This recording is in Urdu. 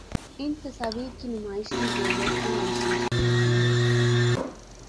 ان تصویروں کی نمائش کی ضرورت کیوں محسوس ہو رہی ہے؟